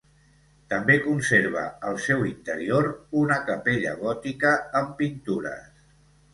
També conserva al seu interior una capella gòtica amb pintures.